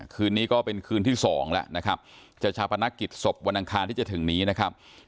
คืนนี้ก็เป็นคืนที่สองแล้วนะครับจะชาปนักกิจศพวันอังคารที่จะถึงนี้นะครับ